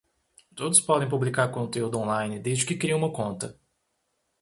Todos podem publicar conteúdo on-line desde que criem uma conta